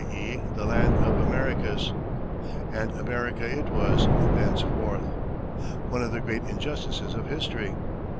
e., the land of Americus," and America it was thenceforward one of the great injustices of history.